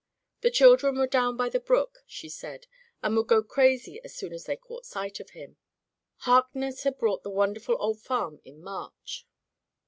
The children were down by the brook, she said, and would go crazy as soon as they caught sight of him. Harkness had bought the wonderful old farm in March.